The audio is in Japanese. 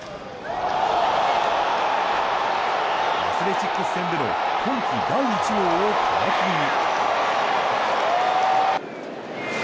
アスレチックス戦での今季第１号を皮切りに。